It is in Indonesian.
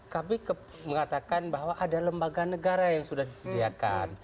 kami mengatakan bahwa ada lembaga negara yang sudah disediakan